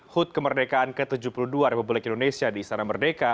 hud kemerdekaan ke tujuh puluh dua republik indonesia di istana merdeka